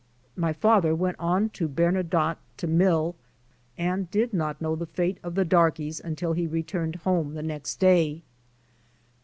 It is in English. My father went on to Bernadotte to mill and did not know the fate of the darkies until he returned home the next day.